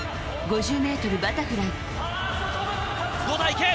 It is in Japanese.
５０ｍバタフライ。